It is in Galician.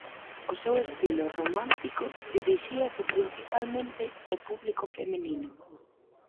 O seu estilo romántico dirixíase principalmente ó público feminino.